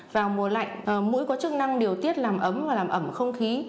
vào mùa lạnh mũi có chức năng điều tiết làm ấm và làm ẩm không khí